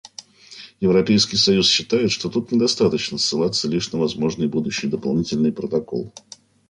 Европейский союз считает, что тут недостаточно ссылаться лишь на возможный будущий дополнительный протокол.